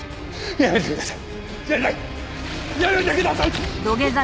やめてください。